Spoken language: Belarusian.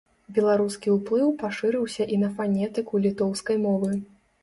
Беларускі ўплыў пашырыўся і на фанетыку літоўскай мовы.